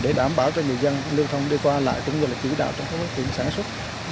để đảm bảo cho người dân liên thông đi qua lại tức như là chỉ đạo trong các tuyến sản xuất